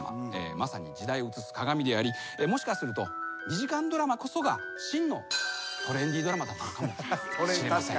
まさに時代を映す鏡でありもしかすると２時間ドラマこそが真のトレンディードラマだったのかもしれません。